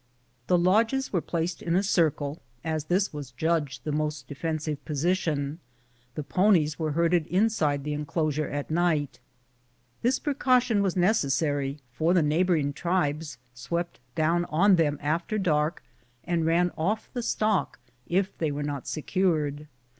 The lodges were placed in a circle, as this was judged the most defensive posi tion ; the ponies were herded inside the enclosure at night. This precaution was necessary, for the neighbor ing tribes swept down on them after dark and ran off the stock if they were not secured.